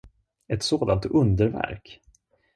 Ett sådant underverk!